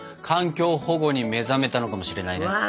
環境保護に目覚めたのかもしれないね。